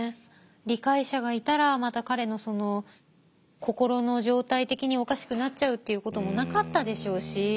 理解者がいたらまた彼のその心の状態的におかしくなっちゃうっていうこともなかったでしょうし。